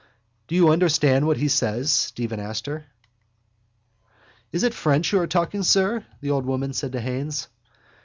—Do you understand what he says? Stephen asked her. —Is it French you are talking, sir? the old woman said to Haines.